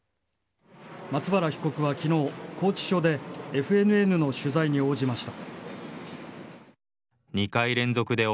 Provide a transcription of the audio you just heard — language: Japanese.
松原被告は昨日、拘置所でＦＮＮの取材に応じました。